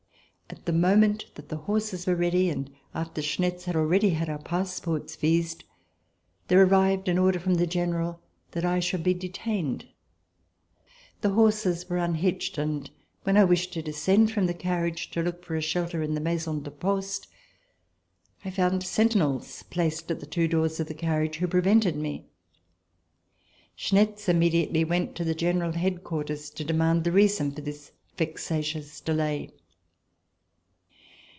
At the moment that the horses were ready and after Schnetz had already had our passports vised, there arrived an order from the general that I should be detained. The horses were unhitched, and when I wished to descend from the carriage to look for a shelter in the maison de posie, I found sentinels placed at the two doors of the carriage who prevented me. Schnetz immediately went to the general headquarters to demand the reason for this vexatious delay.